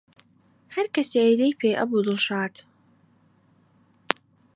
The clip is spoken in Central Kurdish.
هەرکەسێ ئەیدی پێی ئەبوو دڵشاد